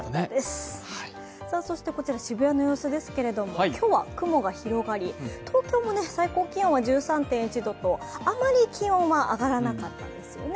そしてこちら渋谷の様子ですけれども、今日は雲が広がり、東京も最高気温が１３．１度とあまり気温は上がらなかったんですよね。